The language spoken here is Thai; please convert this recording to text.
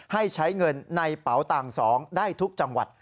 ให้ใช้เงินในเป๋าตัง๒ได้ทุกจังหวัด